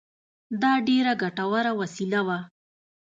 دا ډېره ګټوره وسیله وه